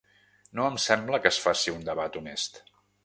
No em sembla que es faci un debat honest.